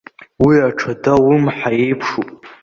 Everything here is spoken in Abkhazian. Уи аҽада лымҳа еиԥшуп.